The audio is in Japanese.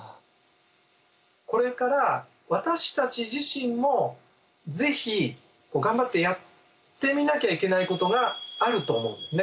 これから私たち自身もぜひ頑張ってやってみなきゃいけないことがあると思うんですね。